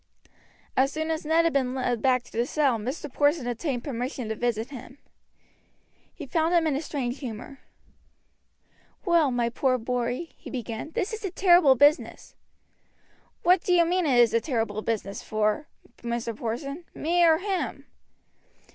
As soon as Ned had been led back to the cell Mr. Porson obtained permission to visit him. He found him in a strange humor. "Well, my poor boy," he began, "this is a terrible business." "Who do you mean it is a terrible business for, Mr. Porson, me or him?"